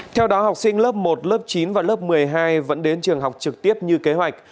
theo đó học sinh lớp một lớp chín và lớp một mươi hai vẫn đến trường học trực tiếp như kế hoạch